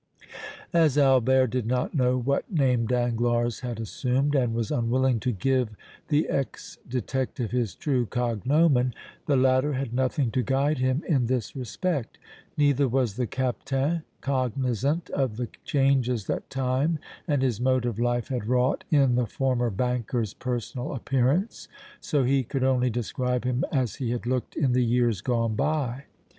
As Albert did not know what name Danglars had assumed and was unwilling to give the ex detective his true cognomen, the latter had nothing to guide him in this respect. Neither was the Captain cognizant of the changes that time and his mode of life had wrought in the former banker's personal appearance, so he could only describe him as he had looked in the years gone by.